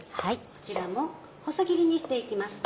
こちらも細切りにして行きます。